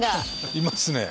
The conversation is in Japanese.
いますね。